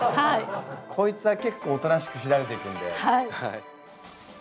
こいつは結構おとなしくしだれていくんで。